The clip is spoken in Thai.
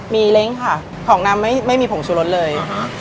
มีเล้งค่ะของน้ำไม่มีผงชูรสเลย